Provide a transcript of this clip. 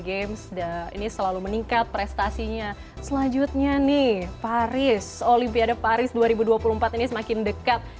games ini selalu meningkat prestasinya selanjutnya nih paris olimpiade paris dua ribu dua puluh empat ini semakin dekat